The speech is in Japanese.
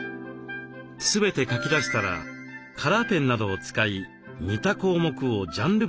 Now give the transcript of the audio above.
全て書き出したらカラーペンなどを使い似た項目をジャンル別にまとめます。